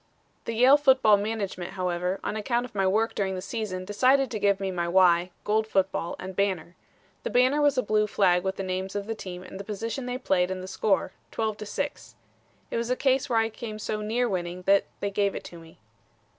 "The Yale football management, however, on account of my work during the season decided to give me my Y, gold football and banner. The banner was a blue flag with the names of the team and the position they played and the score, 12 to 6. It was a case where I came so near winning it that they gave it to me."